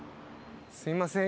すいません